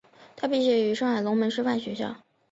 他毕业于上海龙门师范学校。